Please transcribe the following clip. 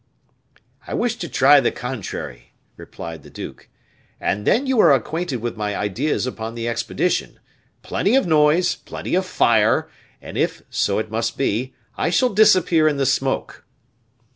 "I wish to try the contrary," replied the duke; "and then you are acquainted with my ideas upon the expedition plenty of noise, plenty of fire, and, if so it must be, I shall disappear in the smoke."